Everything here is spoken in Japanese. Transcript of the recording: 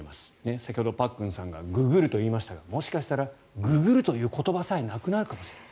先ほどパックンさんがググると言いましたがもしかしたらググるという言葉さえなくなるかもしれない。